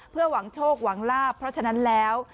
เพื่อหวังโชคหวังลาบเพราะฉะนั้นแล้ว